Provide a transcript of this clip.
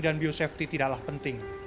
dan biosafety tidaklah penting